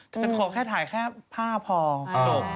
จะขอแค่ถ่ายแค่ผ้าพอจบ